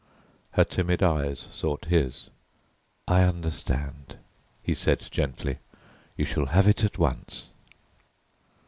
Her timid eyes sought his. "I understand," he said gently, "you shall have it at once."